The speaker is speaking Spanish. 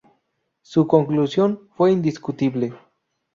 Su conclusión fue indiscutible.